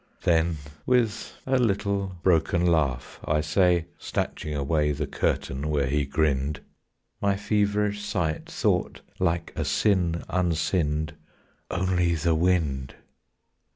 Then with a little broken laugh I say, Snatching away The curtain where he grinned (My feverish sight thought) like a sin unsinned, "Only the wind!"